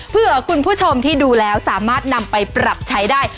เพื่อคุณผู้ชมที่ดูแล้วสามารถนำไปปรับใช้ได้